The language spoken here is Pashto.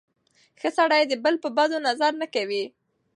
ښه سړی د بل په بدو نظر نه کوي.